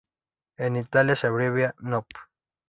En Italia se abrevia "Nob.